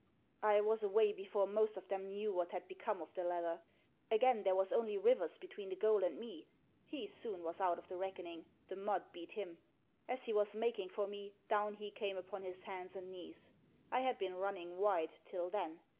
I was away before most of them knew what had become of the leather. Again there was only Rivers between the goal and me. He soon was out of the reckoning. The mud beat him. As he was making for me down he came upon his hands and knees. I had been running wide till then.